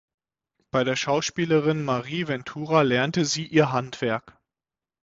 Bei der Schauspielerin Marie Ventura lernte sie ihr Handwerk.